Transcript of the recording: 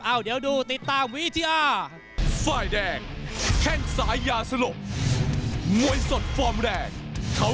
เอาเดี๋ยวดูติดตามวิทยา